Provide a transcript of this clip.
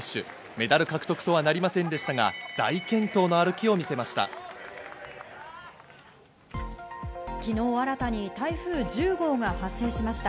メダル獲得とはなりませんでしたが、大健闘の歩きを見せました。